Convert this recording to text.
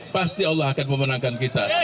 pasti allah akan memenangkan kita